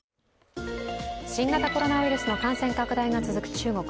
新型コロナウイルスの感染拡大が続く中国。